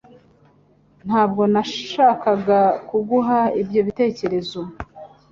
Ntabwo nashakaga kuguha ibyo bitekerezo